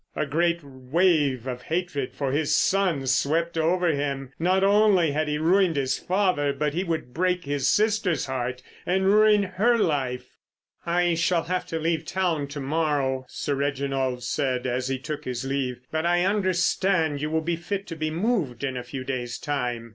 A great wave of hatred for his son swept over him. Not only had he ruined his father, but he would break his sister's heart and ruin her life. "I shall have to leave town to morrow," Sir Reginald said as he took his leave. "But I understand you will be fit to be moved in a few days' time.